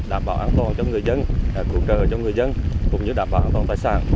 đảm bảo an toàn cho người dân hỗ trợ cho người dân cũng như đảm bảo an toàn tài sản